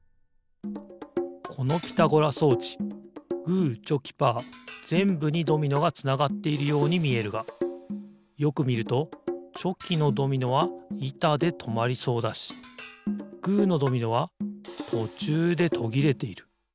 このピタゴラ装置グーチョキーパーぜんぶにドミノがつながっているようにみえるがよくみるとチョキのドミノはいたでとまりそうだしグーのドミノはとちゅうでとぎれている。